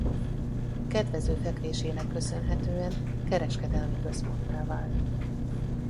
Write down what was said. Kedvező fekvésének köszönhetően kereskedelmi központtá vált.